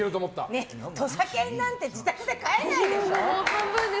土佐犬なんて自宅で飼えないでしょう。